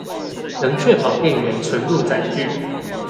能確保店員存入載具